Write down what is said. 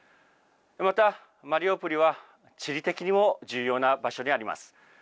また、マリウポリは地理的にも重要な場所にあります。